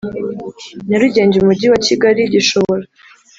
Nyarugenge Umujyi wa Kigali Gishobora